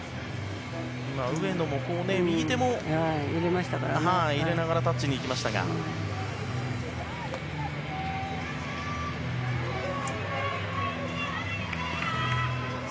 上野も右手も入れながらタッチに行きましたから。